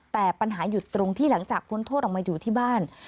แต่ปัญหาอยู่ตรงที่หลังจากพ้นโทษออกมาอยู่ที่บ้าน